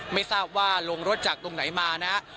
ไม่ทราบว่าลงรถจากตรงไหนมานะฮะ